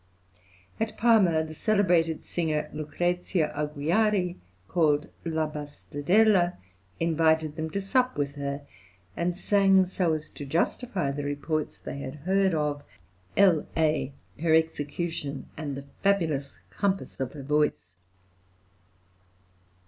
At Parma the celebrated singer Lucrezia Agujari, called "la Bastardella," invited them to sup with her, and sang so as to justify the reports they had heard of {"LA BASTARDELLA" BOLOGNA, 1770.} (113) her execution and the fabulous compass of her voice.